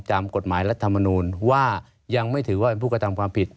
ตามกฎหมายรัฐมนูลว่ายังไม่ถือว่าเป็นผู้กระทำความผิด